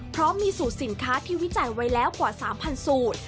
พร้อมมีสูตรสินค้าที่วิจัยไว้แล้วกว่า๓๐๐สูตร